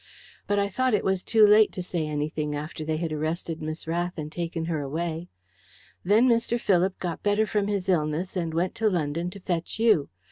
But I thought it was too late to say anything after they had arrested Miss Rath and taken her away. Then Mr. Philip got better from his illness and went to London to fetch you.